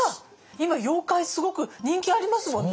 今妖怪すごく人気ありますもんね。